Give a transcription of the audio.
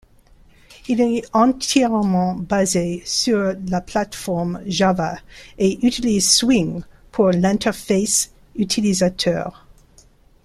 Il est entièrement basé sur la plate-forme Java et utilise Swing pour l'interface utilisateur.